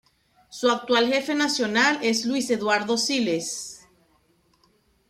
Su actual jefe nacional es Luis Eduardo Siles.